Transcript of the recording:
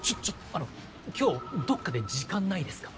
あの今日どっかで時間ないですか？